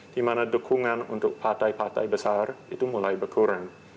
di mana dukungan untuk partai partai besar itu mulai berkurang